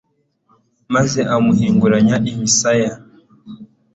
maze amuhinguranya imisaya